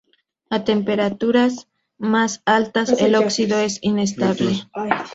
A temperaturas más altas el óxido es inestable.